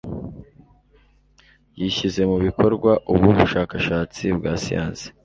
Yishyize mu bikorwa ubu bushakashatsi bwa siyansi.